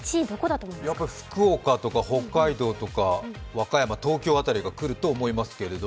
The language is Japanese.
やっぱり福岡とか北海道とか、和歌山、東京辺りが来ると思いますけど。